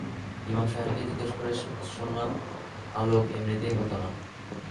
ইমাম- সাহেবকে জিজ্ঞেস করে জুনলাম-আলোক এমনিতেই হত না।